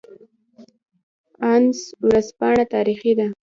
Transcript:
انیس ورځپاڼه تاریخي ده